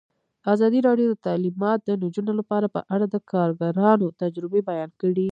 ازادي راډیو د تعلیمات د نجونو لپاره په اړه د کارګرانو تجربې بیان کړي.